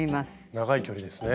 長い距離ですね。